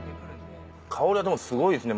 香りがすごいですね